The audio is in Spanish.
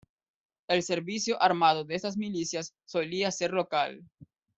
El servicio armado de estas milicias solía ser local.